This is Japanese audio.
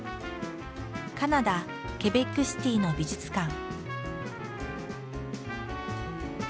カナダ・ケベックシティの美術館。